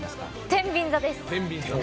てんびん座です。